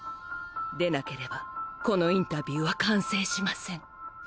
でなければこのインタビューは完成しません。